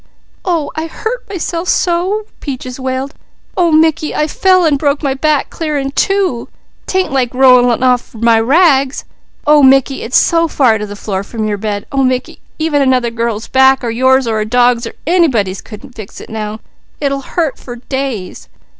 "Oh I hurt myself so!" Peaches wailed. "Oh Mickey, I fell an' broke my back clear in two. 'Tain't like rollin' off my rags; oh Mickey, it's so far to the floor, from your bed! Oh Mickey, even another girl's back, or yours, or a dog's, or anybody's wouldn't fix it now. It'll hurt for days.